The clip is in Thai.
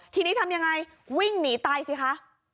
ทีนี้ทำยังไงวิ่งหนีตายสิคะ